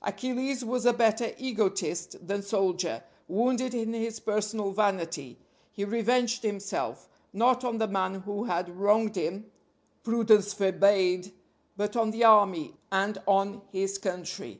Achilles was a better egotist than soldier; wounded in his personal vanity, he revenged himself, not on the man who had wronged him Prudence forbade but on the army, and on his country.